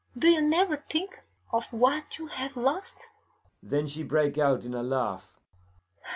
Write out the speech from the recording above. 'Do you never think of what you have lost?' Then she break out in a laugh.